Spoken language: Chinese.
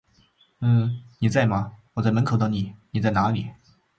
呃…你在吗，我在门口等你，你在哪里？